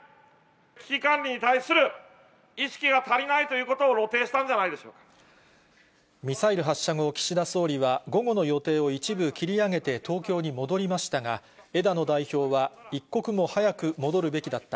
危機管理に対する意識が足りないということを露呈したんじゃないミサイル発射後、岸田総理は、午後の予定を一部切り上げて東京に戻りましたが、枝野代表は、一刻も早く戻るべきだった。